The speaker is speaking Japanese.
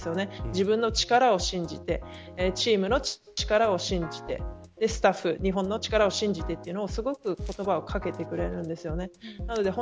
自分の力を信じてチームの力を信じてスタッフ日本の力を信じてというのすごく言葉をかけてくれるんです。